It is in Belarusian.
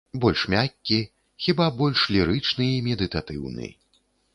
Больш мяккі, хіба больш лірычны і медытатыўны.